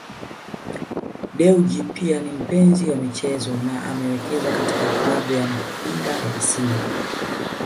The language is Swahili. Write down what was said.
Dewji pia ni mpenzi wa michezo na amewekeza katika klabu ya mpira ya Simba